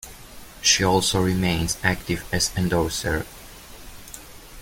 She also remains active as endorser.